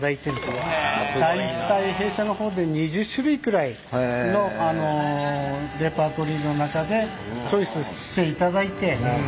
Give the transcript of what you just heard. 大体弊社の方で２０種類くらいのレパートリーの中でチョイスしていただいて。